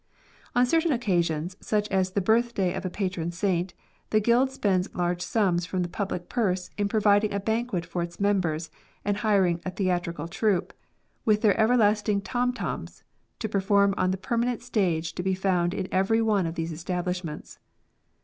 On certain occasions, such as the birthday of a patron saint, the guild spends large sums from the public purse in providing a banquet for its members and hiring a theatrical troupe, with their everlasting tom toms, to perform on the permanent stage to be found in every one of these establishments.